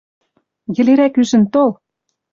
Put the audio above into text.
Йӹлерӓк ӱжӹн тол!